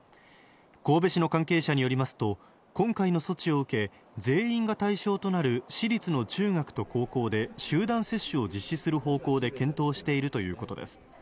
神戸市の関係者によりますと今回の措置を受け全員が対象となる市立の中学と高校で集団接種を実施する方向で検討しているということです。